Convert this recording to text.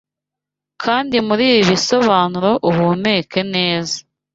Kandi muribi bisobanuro uhumekeneza